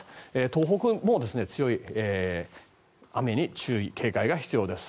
東北も強い雨に注意、警戒が必要です。